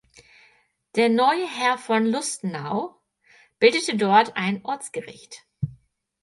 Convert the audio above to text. Der neue Herr von Lustenau bildete dort ein Ortsgericht.